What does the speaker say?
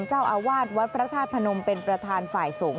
เจ้าอาวาสวัดพระธาตุพนมเป็นประธานฝ่ายสงฆ